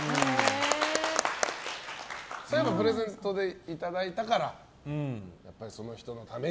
プレゼントでいただいたからやっぱりその人のために。